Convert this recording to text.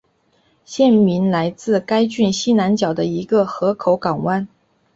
县名来自该郡西南角的一个河口港湾。